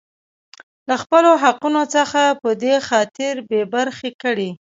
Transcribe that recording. لـه خـپـلو حـقـونـو څـخـه پـه دې خاطـر بـې بـرخـې کـړي.